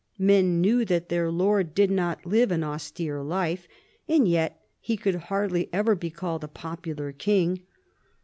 Men knew that their lord did not live an austere life, and yet he could hardly ever be called a popular king.